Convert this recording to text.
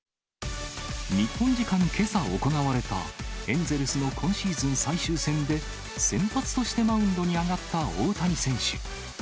日本時間けさ行われたエンゼルスの今シーズン最終戦で、先発としてマウンドに上がった大谷選手。